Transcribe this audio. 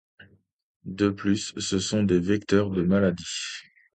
De plus, ce sont des vecteurs de maladies.